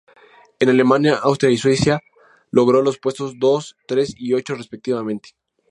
En Alemania, Austria y Suiza logró los puestos dos, tres y ocho, respectivamente.